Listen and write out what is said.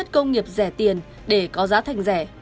công nghiệp rẻ tiền để có giá thành rẻ